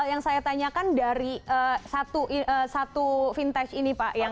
yang saya tanyakan dari satu vintage ini pak